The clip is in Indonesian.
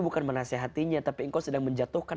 bukan menasehatinya tapi engkau sedang menjatuhkan